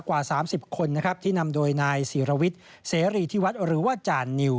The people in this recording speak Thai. กว่า๓๐คนนะครับที่นำโดยนายศิรวิทย์เสรีที่วัดหรือว่าจานนิว